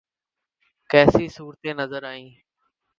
کیسی صورتیں نظر آئیں؟